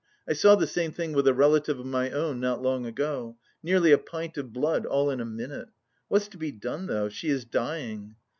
I saw the same thing with a relative of my own not long ago... nearly a pint of blood, all in a minute.... What's to be done though? She is dying."